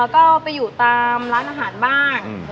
ก็ไปอยู่ตามร้านอาหารบ้าง